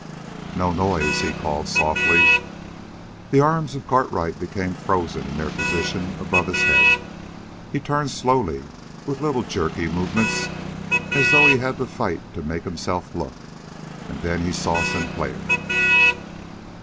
"No noise!" he called softly. The arms of Cartwright became frozen in their position above his head. He turned slowly, with little jerky movements, as though he had to fight to make himself look. And then he saw Sinclair.